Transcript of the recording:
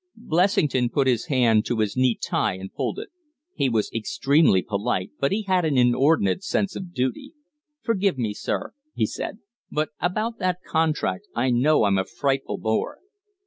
Blessington put his hand to his neat tie and pulled it. He was extremely polite, but he had an inordinate sense of duty. "Forgive me, sir," he said, "but about that contract I know I'm a frightful bore."